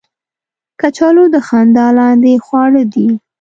کچالو د خندا لاندې خواړه دي